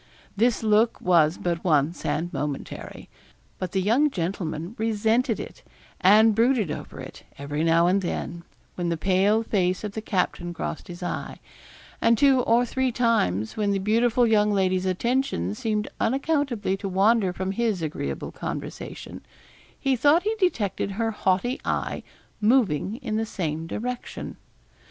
This look was but once and momentary; but the young gentleman resented it, and brooded over it, every now and then, when the pale face of the captain crossed his eye; and two or three times, when the beautiful young lady's attention seemed unaccountably to wander from his agreeable conversation, he thought he detected her haughty eye moving in the same direction.